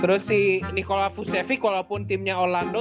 terus si nicola fusevic walaupun timnya orlando